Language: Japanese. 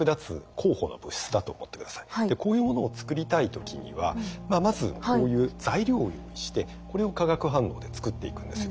こういうものを作りたい時にはまずこういう材料を用意してこれを化学反応で作っていくんですよ。